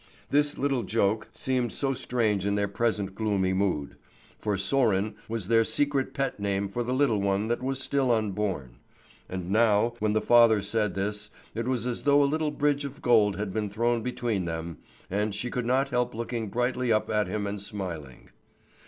This little joke seemed so strange in their present gloomy mood. For Sören was their secret pet name for the little one that was still unborn. And now, when the father said this, it was as though a little bridge of gold had been thrown between them, and she could not help looking brightly up at him and smiling.